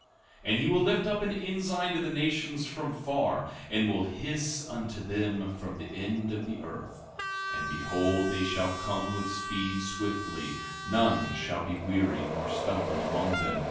15:26 And he will lift up an ensign to the nations from far, and will hiss unto them from the end of the earth; and behold, they shall come with speed swiftly; none shall be weary nor stumble among them.